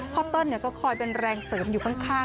เติ้ลก็คอยเป็นแรงเสริมอยู่ข้าง